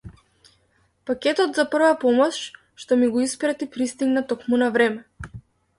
Пакетот за прва помош што ми го испрати пристигна токму на време.